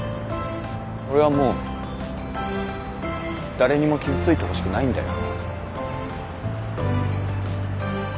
俺はもう誰にも傷ついてほしくないんだよ。